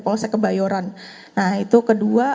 polsek kebayoran nah itu kedua